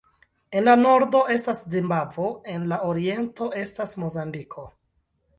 En la nordo estas Zimbabvo, kaj en la oriento estas Mozambiko.